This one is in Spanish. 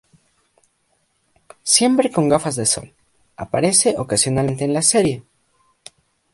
Siempre con gafas de sol, aparece ocasionalmente en la serie.